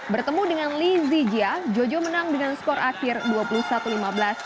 bertemu dengan lee zijia jojo menang dengan skor akhir dua puluh satu lima belas sebelas dua puluh satu dan dua puluh dua puluh satu